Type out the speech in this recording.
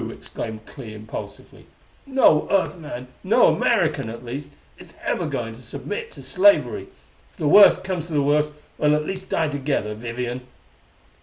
exclaimed Clee impulsively. "No Earth man no American, at least is ever going to submit to slavery. If the worst comes to the worst, we'll at least die together, Vivian!"